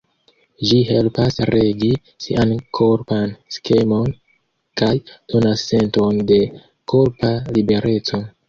Ĝi helpas regi sian korpan skemon kaj donas senton de korpa libereco.